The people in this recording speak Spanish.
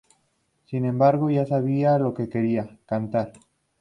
Sin embargo, ya sabía lo que quería: Cantar.